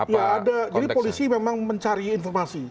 ya ada jadi polisi memang mencari informasi